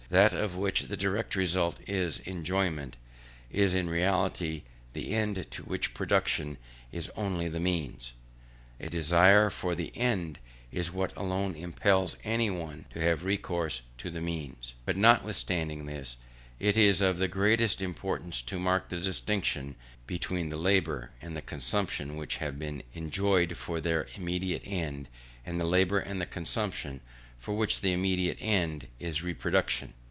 that of which the direct result is enjoyment, is in reality the end, to which production is only the means; and a desire for the end, is what alone impels any one to have recourse to the means. But, notwithstanding this, it is of the greatest importance to mark the distinction between the labour and the consumption which have enjoyment for their immediate end, and the labour and the consumption of which the immediate end is reproduction.